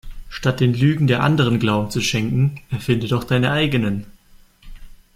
Statt den Lügen der Anderen Glauben zu schenken erfinde doch deine eigenen.